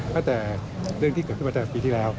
ตั้งแต่เรื่องที่เกิดขึ้นมาตั้งแต่ปีที่แล้ว